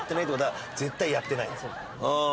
うん。